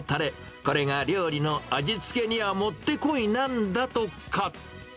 これが料理の味付けにはもってこいなんだとか。